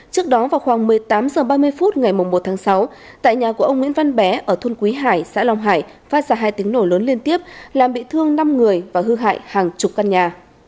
trước đó vào khoảng một mươi tám h ba mươi phút ngày một tháng sáu tại nhà của ông nguyễn văn bé ở thôn quý hải xã long hải phát ra hai tiếng nổ lớn liên tiếp làm bị thương năm người và hư hại hàng chục căn nhà